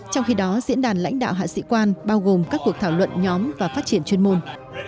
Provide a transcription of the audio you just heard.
trong khi đó diễn đàn lãnh đạo hạ sĩ quan bao gồm các cuộc thảo luận nhóm và phát triển chuyên môn